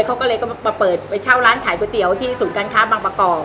เขาก็เลยก็มาเปิดไปเช่าร้านขายก๋วยเตี๋ยวที่ศูนย์การค้าบางประกอบ